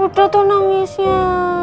udah tuh nangisnya